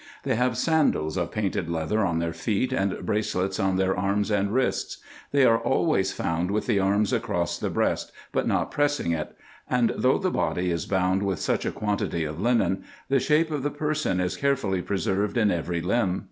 They have sandals of painted leather on their feet, and bracelets on their arms and wrists. They are always found with the arms across the breast, but not pressing it ; and though the body is bound with such a quantity of linen, the shape of the person is carefully pre served in every limb.